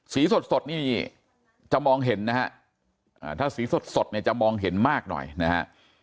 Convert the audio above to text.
สีสดนี่จะมองเห็นนะฮะถ้าสีสดเนี่ยจะมองเห็นมากหน่อยนะฮะ